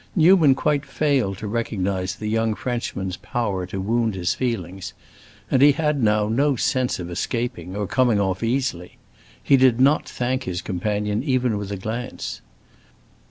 Newman quite failed to recognize the young Frenchman's power to wound his feelings, and he had now no sense of escaping or coming off easily. He did not thank his companion even with a glance.